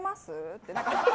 って。